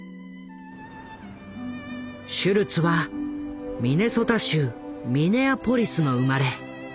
シュルツはミネソタ州ミネアポリスの生まれ。